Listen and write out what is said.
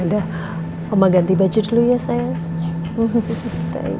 udah ng pear hamaganti baju dulu ya saya langsung lihat